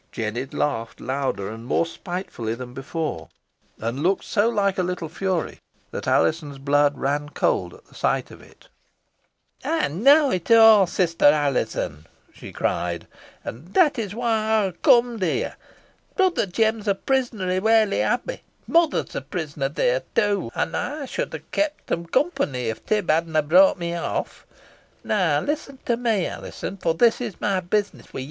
Jennet laughed louder and more spitefully than before, and looked so like a little fury that Alizon's blood ran cold at the sight of it. "Ey knoa it aw, sister Alizon," she cried, "an that is why ey ha cum'd here. Brother Jem is a pris'ner i' Whalley Abbey. Mother is a pris'ner theere, too. An ey should ha kept em company, if Tib hadna brought me off. Now, listen to me, Alizon, fo' this is my bus'ness wi' yo.